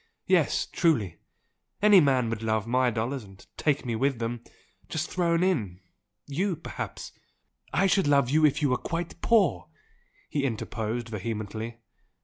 Yes, truly! Any man would love my dollars, and take me with them, just thrown in! You, perhaps " "I should love you if you were quite poor!" he interposed vehemently.